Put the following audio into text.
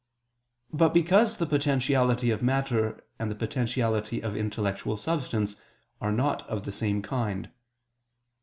But because the potentiality of matter and the potentiality of intellectual substance are not of the same kind.